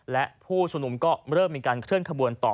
และผู้ชุมนุมก็เริ่มมีการเคลื่อนขบวนต่อ